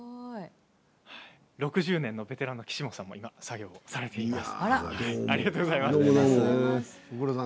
６０年のベテランの岸本さんも作業されています。